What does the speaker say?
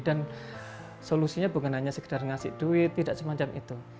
dan solusinya bukan hanya sekedar ngasih duit tidak semacam itu